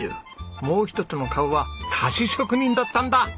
もう一つの顔は菓子職人だったんだ！